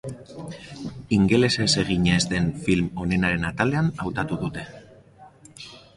Ingelesez egina ez den film onenaren atalean hautatu dute.